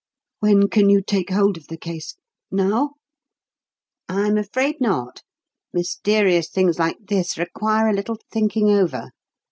When can you take hold of the case? Now?" "I'm afraid not. Mysterious things like this require a little thinking over.